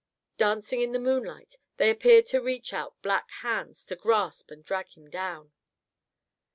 Dancing in the moonlight, they appeared to reach out black hands to grasp and drag him down.